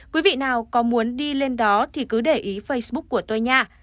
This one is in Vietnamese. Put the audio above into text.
quý vị nào có muốn đi lên đó thì cứ để ý facebook của tôi nha